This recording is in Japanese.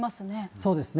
そうですね。